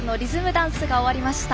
ダンスが終わりました。